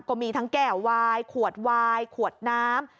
ก็มีทั้งแก้ววายขวดวายขวดน้ำ